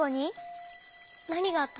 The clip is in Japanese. なにがあったの？